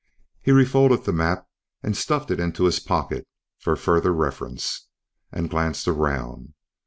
He refolded the map and stuffed it into his pocket for further reference, and glanced around.